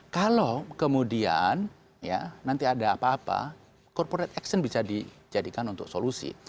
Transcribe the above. kalau kemudian ya nanti ada apa apa corporate action bisa dijadikan untuk solusi